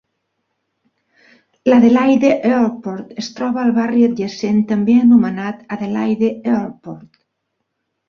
L'Adelaide Airport es troba al barri adjacent també anomenat Adelaide Airport.